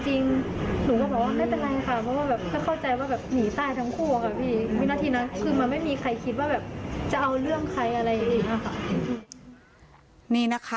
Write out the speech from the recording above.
หนูก็บอกว่านี่เป็นไรค่ะ